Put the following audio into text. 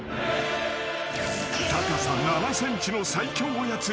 ［高さ７ｃｍの最強おやつ］